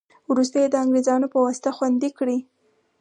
وروسته یې د انګرېزانو په واسطه خوندي کړې.